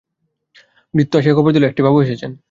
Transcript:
ভৃত্য আসিয়া খবর দিল, একটি বাবু এসেছেন।